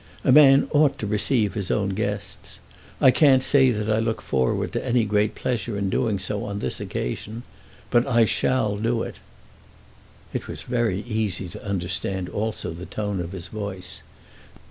A man ought to receive his own guests. I can't say that I look forward to any great pleasure in doing so on this occasion; but I shall do it." It was very easy to understand also the tone of his voice.